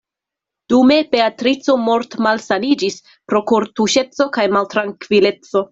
Dume Beatrico mortmalsaniĝis pro kortuŝeco kaj maltrankvileco.